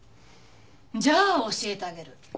じゃあ教えてあげる。